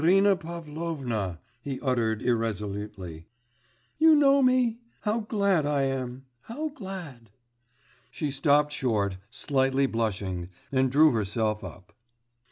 'Irina Pavlovna,' he uttered irresolutely. 'You know me? How glad I am! how glad ' She stopped short, slightly blushing, and drew herself up.